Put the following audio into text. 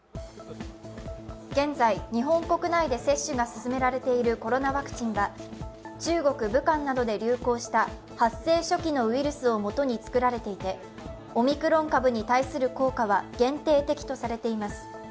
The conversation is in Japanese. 現在、日本国内で接種が進められているコロナワクチンは中国・武漢などで流行した発生初期のウイルスをもとに作られていてオミクロン株に対する効果は限定的とされています。